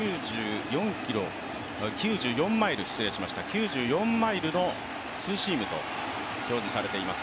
９４マイルのツーシームと表示されています。